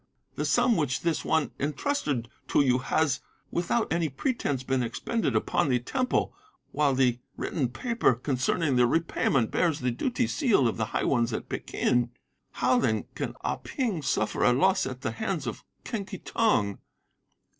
'The sum which this one entrusted to you has, without any pretence been expended upon the Temple, while the written paper concerning the repayment bears the duty seal of the high ones at Peking. How, then, can Ah Ping suffer a loss at the hands of Quen Ki Tong?